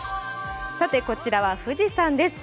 こちらは富士山です